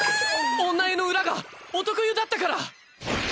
女湯の裏が男湯だったから。